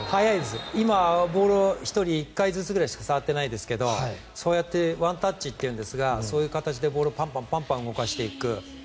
今、ボールを１人１回ずつぐらいしか触っていないですがそうやってワンタッチというんですがそういう形でボールをパンパン動かしていく。